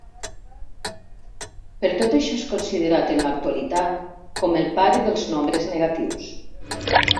Per tot això és considerat en l'actualitat com el pare dels nombres negatius.